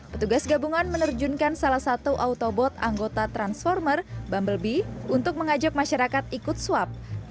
petugas gabungan menerjunkan salah satu autobot anggota transformer bumble b untuk mengajak masyarakat ikut swab